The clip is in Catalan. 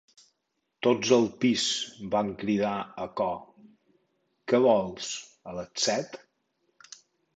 Tots al pis! —van cridar a cor què vols— A les set?